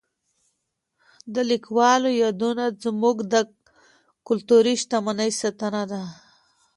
د لیکوالو یادونه زموږ د کلتوري شتمنۍ ساتنه ده.